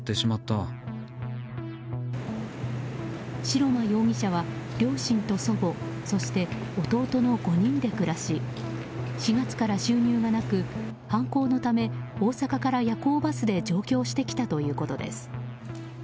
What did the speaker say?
白間容疑者は両親と祖母そして弟の５人で暮らし４月から収入がなく、犯行のため大阪から夜行バスで上京してきたということです。